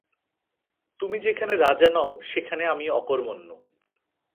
তুমি যেখানে রাজা নও সেখানে আমি অকর্মণ্য।